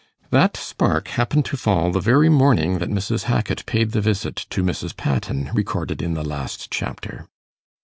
That spark happened to fall the very morning that Mrs. Hackit paid the visit to Mrs. Patten, recorded in the last chapter.